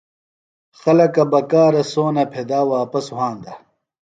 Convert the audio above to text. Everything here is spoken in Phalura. خلَکہ بکارہ سونہ پھیۡدا واپس وھاندہ۔